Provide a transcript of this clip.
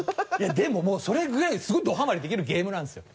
でもそれぐらいすごいどハマりできるゲームなんですよ